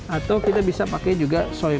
atau kita bisa pakai juga soy milk